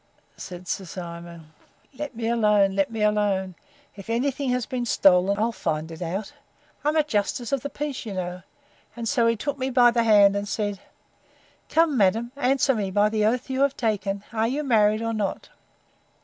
said Sir Simon, Let me alone, let me alone; if any thing has been stolen, I'll find it out! I'm a justice of the peace, you know. And so he took me by the hand, and said, Come, madam, answer me, by the oath you have taken: Are you married or not?